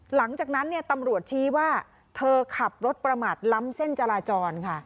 หลังจากนั้นเนี่ยตำรวจชี้ว่าเธอขับรถประมาทล้ำเส้นจราจรค่ะ